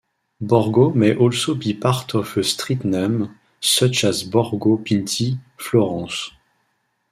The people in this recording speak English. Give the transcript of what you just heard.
Borgo may also be part of a street name, such as Borgo Pinti, Florence.